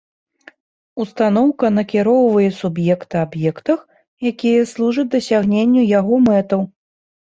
Ўстаноўка накіроўвае суб'екта аб'ектах, якія служаць дасягненню яго мэтаў.